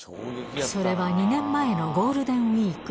それは２年前のゴールデンウィーク。